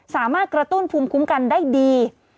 สามารถกระตุ้นภูมิคุ้มกันได้ดี